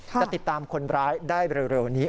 จะติดตามคนร้ายได้เร็วนี้